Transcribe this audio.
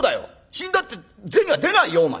死んだって銭は出ないよお前。